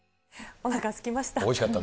おなかすきました。